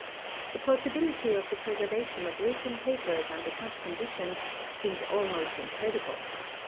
The possibility of the preservation of written papers under such conditions seemed almost incredible.